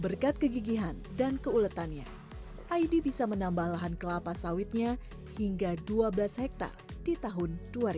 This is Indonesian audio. berkat kegigihan dan keuletannya aidi bisa menambah lahan kelapa sawitnya hingga dua belas hektare di tahun dua ribu dua puluh